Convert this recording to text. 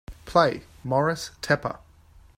Play Moris Tepper